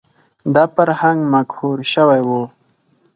دا فرهنګ مقهور شوی و